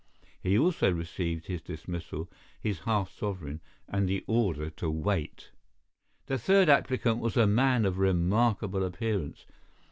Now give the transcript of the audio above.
He also received his dismissal, his half sovereign, and the order to wait. The third applicant was a man of remarkable appearance.